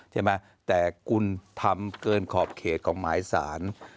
ใช่ไหมแต่คุณทำเกินขอบเขตของหมายสาร